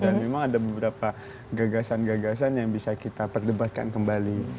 dan memang ada beberapa gagasan gagasan yang bisa kita perdebatkan kembali